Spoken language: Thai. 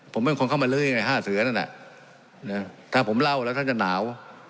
ผมไม่มีคนเข้ามาเลื่อยไงห้าเสือนั่นแหละถ้าผมเล่าแล้วท่านจะหนาว